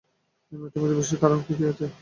এই মেয়েটির মধ্যে বিশেষ কারণের কি কি আছে?